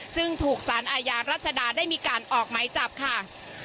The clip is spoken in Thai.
ซึ่งถูกสารอาญารัชดาได้มีการออกไหมจับค่ะ